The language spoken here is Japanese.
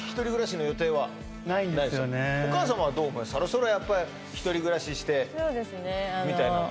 それはやっぱり一人暮らししてそうですね